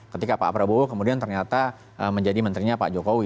ketika pak prabowo kemudian ternyata menjadi menterinya pak jokowi